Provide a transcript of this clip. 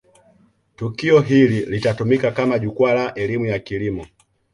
tukio hili litatumika kama jukwaa la elimu ya kilimo